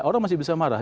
orang masih bisa marah